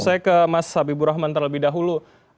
saya ke mas habibur rahman terlebih dahulu